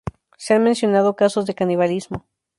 Se han mencionado casos de canibalismo.